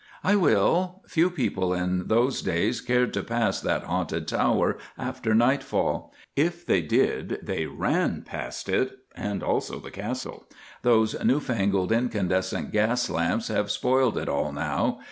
"I will. Few people in those days cared to pass that haunted tower after nightfall. If they did they ran past it and also the Castle. Those new fangled incandescent gas lamps have spoiled it all now.